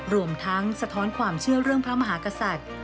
รวมทั้งสะท้อนความเชื่อเรื่องพระมหากษัตริย์